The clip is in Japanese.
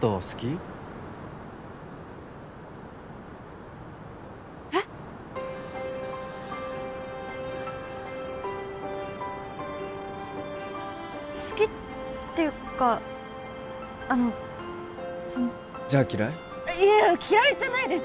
好きっていうかあのそのじゃあ嫌い？